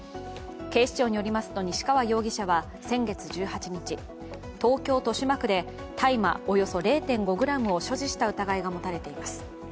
警視庁によりますと西川容疑者は先月１８日東京・豊島区で大麻およそ０．５ｇを所持した疑いが持たれています。